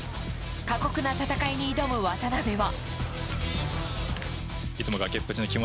過酷な戦いに挑む渡邊は。